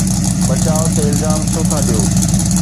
بچاءُ تي الزام ڇو ٿا ڏيو؟